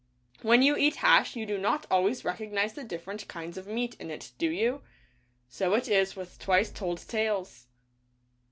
When you eat hash you do not always recognize the different kinds of meat in it, do you? So it is with Twice Told Tales.